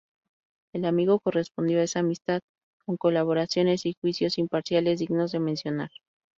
El amigo correspondió a esa amistad con colaboraciones y juicios imparciales dignos de mencionar.